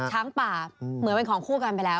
ช้างป่าเหมือนเป็นของคู่กันไปแล้ว